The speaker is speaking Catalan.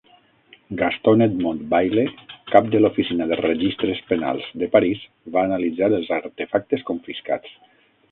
Gaston-Edmond Bayle, cap de l'Oficina de Registres Penals de París, va analitzar els artefactes confiscats.